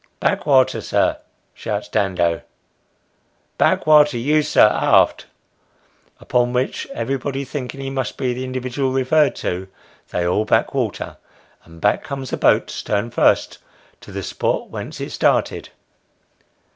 " Back wa'ater, sir," shouts Dando, " back wa'ater, you sir, aft ;" upon which everybody thinking he must be the individual referred to, they all back water, and back comes the boat, stern first, to the spot whence it started.